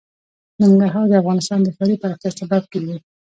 ننګرهار د افغانستان د ښاري پراختیا سبب کېږي.